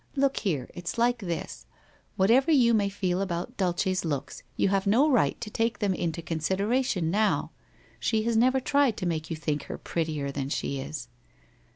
' Look here, it's like this, whatever you may feel about Dulce's looks, you have no right to take them into consideration now. She has never tried to make you think her prettier than she is.'